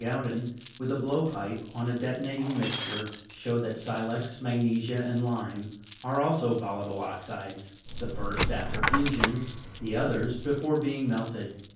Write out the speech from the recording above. Gaudin, with a blow pipe on a de'tonating mixture, show that silex, magnesia, and lime, are also volatile oxides ; the first after fusion, the others before being melted.